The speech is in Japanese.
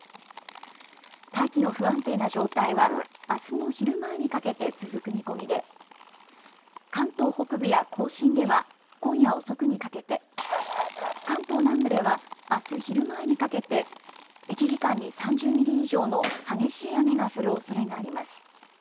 大気の不安定な状態はあすの昼前にかけて続く見込みで関東北部や甲信では今夜遅くにかけて、関東南部では、あす昼前にかけて１時間に３０ミリ以上の激しい雨が降るおそれがあります。